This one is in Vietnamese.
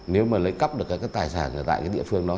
nếu mà lấy cắp được các tài sản ở tại địa phương đó